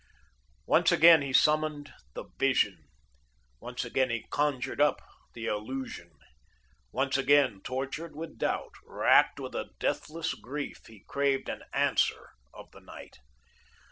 Once again he summoned the Vision. Once again he conjured up the Illusion. Once again, tortured with doubt, racked with a deathless grief, he craved an Answer of the night.